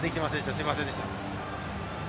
すみませんでした。